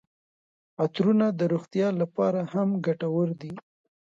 عطرونه د روغتیا لپاره هم ګټور دي.